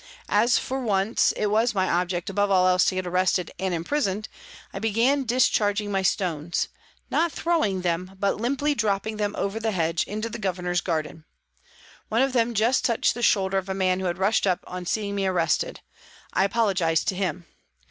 As for once it was my object above all else to get arrested and imprisoned, I began discharging my stones, not throwing them, but limply dropping them over the hedge into the Governor's garden. One of them just touched the shoulder of a man who had rushed up on seeing me arrested. I apologised to him.